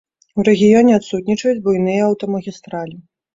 У рэгіёне адсутнічаюць буйныя аўтамагістралі.